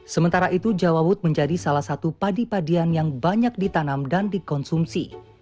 sementara itu jawabut menjadi salah satu padipadian yang banyak ditanam dan dikonsumsi